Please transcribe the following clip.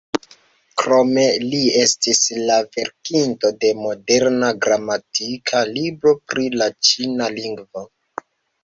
Krome li estis la verkinto de moderna gramatika libro pri la ĉina lingvo.